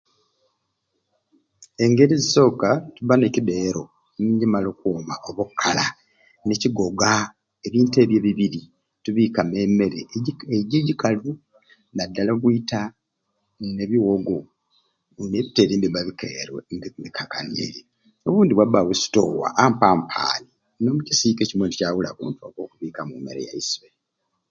Engeri ezisoka tubba nekideero njimala okwoomaku oba okala nekigoga, ebintu ebyo ebibiri tubikamu emeere ejika ejo ejikalu nadala obwiita nebiwoogo nebitere mbiba bikerwe mbiba bikanyiire obundi wabawo esitowa ampampi nomukisiika ekimwei nikyawulamu wokubikamu emeere yaiswe.